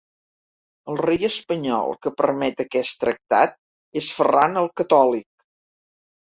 El rei espanyol que permet aquest tractat és Ferran el Catòlic.